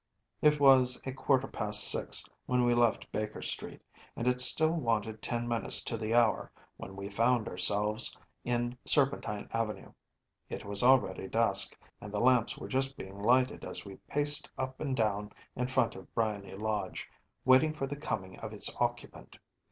It was a quarter past six when we left Baker Street, and it still wanted ten minutes to the hour when we found ourselves in Serpentine Avenue. It was already dusk, and the lamps were just being lighted as we paced up and down in front of Briony Lodge, waiting for the coming of its occupant.